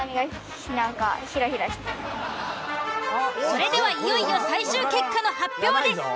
それではいよいよ最終結果の発表です。